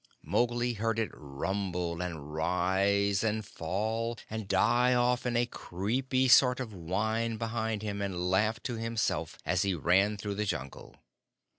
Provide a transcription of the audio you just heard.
Mowgli heard it rumble, and rise, and fall, and die off in a creepy sort of whine behind him, and laughed to himself as he ran through the Jungle.